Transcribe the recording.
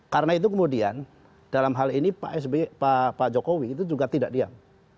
karena itu kemudian dalam hal ini pak jokowi itu juga tidak diam